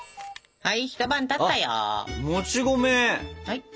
はい。